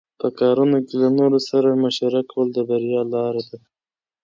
په کارونو کې له نورو سره مشوره کول د بریا لاره ده.